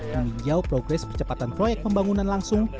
meninjau progres percepatan proyek pembangunan langsung